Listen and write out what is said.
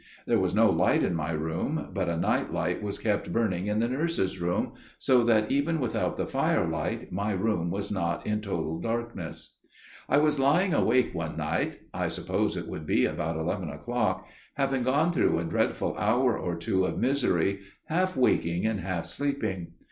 There was no light in my room, but a night light was kept burning in the nurse's room, so that even without the firelight my room was not in total darkness. "I was lying awake one night (I suppose it would be about eleven o'clock), having gone through a dreadful hour or two of misery, half waking and half sleeping.